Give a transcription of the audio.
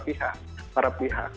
itu bisa dilaksanakan oleh para pihak